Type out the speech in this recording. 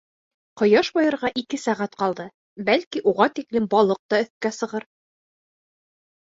Ҡояш байырға ике сәғәт ҡалды, бәлки, уға тиклем балыҡ та өҫкә сығыр.